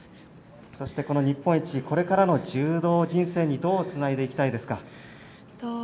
そして、この日本一これからの柔道人生にどうつないでいきたいですか？